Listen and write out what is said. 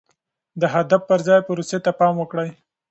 د هدف پر ځای پروسې ته پام وکړئ.